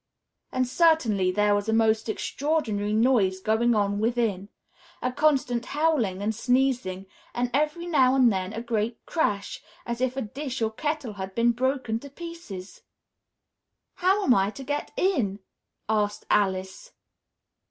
And certainly there was a most extraordinary noise going on within a constant howling and sneezing, and every now and then a great crash, as if a dish or kettle had been broken to pieces. "How am I to get in?" asked Alice.